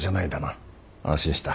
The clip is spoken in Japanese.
安心した。